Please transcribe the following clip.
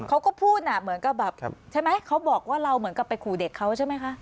เขาก็พูดเหมือนกับแบบใช่ไหมเขาบอกว่าเราเหมือนกับไปขู่เด็กเขาใช่ไหมคะ